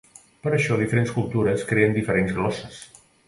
Per això diferents cultures creen diferents glosses.